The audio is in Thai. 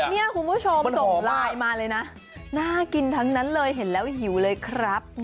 นี่คุณผู้ชมส่งไลน์มาเลยนะน่ากินทั้งนั้นเลยเห็นแล้วหิวเลยครับ